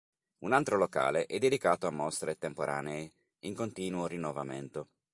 Un altro locale è dedicato a mostre temporanee, in continuo rinnovamento.